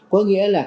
có nghĩa là